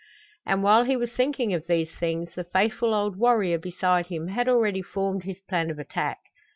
And while he was thinking of these things the faithful old warrior beside him had already formed his plan of attack.